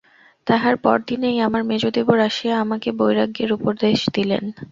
তাহার পরদিনেই আমার মেজো দেবর আসিয়া আমাকে বৈরাগ্যের উপদেশ দিলেন।